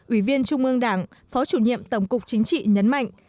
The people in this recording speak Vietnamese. ủy viên trung ương đảng phó chủ nhiệm tổng cục chính trị nhấn mạnh